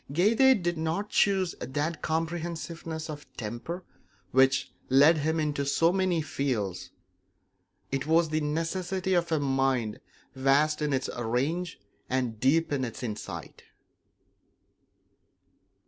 Goethe did not choose that comprehensiveness of temper which led him into so many fields; it was the necessity of a mind vast in its range and deep in its insight.